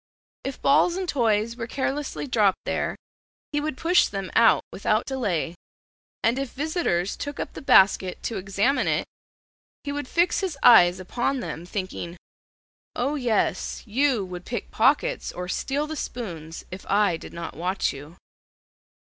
If balls and toys were carelessly dropped there he would push them out without delay, and if visitors took up the basket to examine it, he would fix his eyes upon them, thinking, "O yes, you would pick pockets or steal the spoons if I did not watch you."